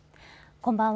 こんばんは。